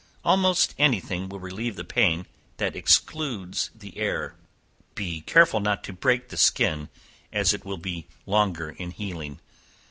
Almost any thing will relieve the pain, that excludes the air. Be careful not to break the skin, as it will be longer in healing.